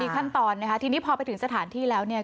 ขั้นตอนนะคะทีนี้พอไปถึงสถานที่แล้วเนี่ย